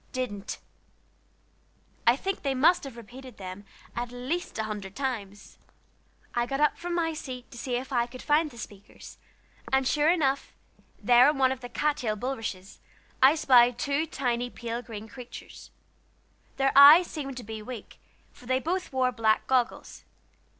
"Didn't." I think they must have repeated them at least a hundred times. I got up from my seat to see if I could find the speakers; and sure enough, there on one of the cat tail bulrushes, I spied two tiny pale green creatures. Their eyes seemed to be weak, for they both wore black goggles.